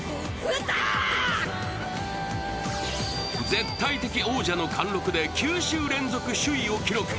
絶対的王者の貫禄で、９週連続首位を記録。